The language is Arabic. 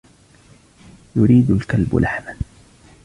يريد الكلب لحما.